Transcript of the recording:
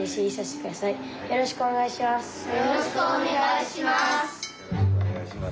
よろしくお願いします。